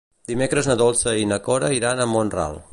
Dimecres na Dolça i na Cora iran a Mont-ral.